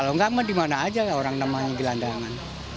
kalau gak dimana aja orang namanya di landangan